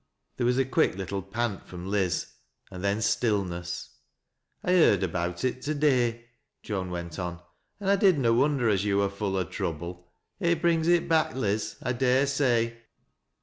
There was a quick little pant from Liz, and then still ness. " I heard about it to day," Joan went on, " an' I did na wonder as yo' wur full o' trouble. It brings it back, Liz, I dai e say."